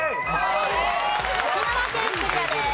沖縄県クリアです。